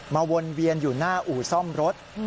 วนเวียนอยู่หน้าอู่ซ่อมรถ